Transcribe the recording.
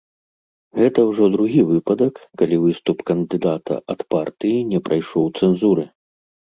Гэта ўжо другі выпадак, калі выступ кандыдата ад партыі не прайшоў цэнзуры.